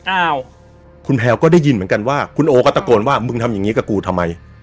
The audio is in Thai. อ้าวคุณแพลวก็ได้ยินเหมือนกันว่าคุณโอก็ตะโกนว่ามึงทำอย่างนี้กับกูทำไม